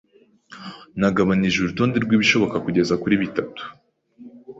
Nagabanije urutonde rwibishoboka kugeza kuri bitatu.